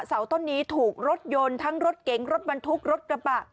เสาต้นนี้ถูกรถยนต์ทั้งรถเก๋งรถบรรทุกรถกระบะ